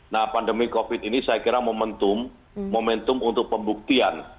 nah pandemi covid ini saya kira momentum momentum untuk pembuktian